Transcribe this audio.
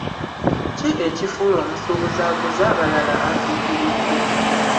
Ki ekifuula omusuubuzi aguza abalala atuukiridde?